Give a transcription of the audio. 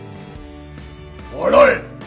笑え！